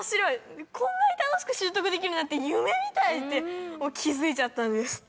こんなに楽しく習得できるなんて夢みたい！って気付いちゃったんです。